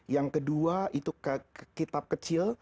yang kedua itu kitab kecil